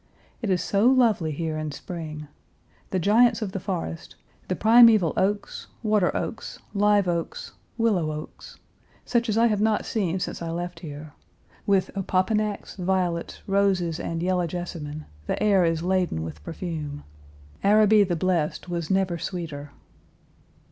It is so lovely here in spring. The giants of the forest the primeval oaks, water oaks, live oaks, willow oaks, such as I have not seen since I left here with opopanax, violets, roses, and yellow jessamine, the air is laden with perfume. Araby the Blest was never sweeter.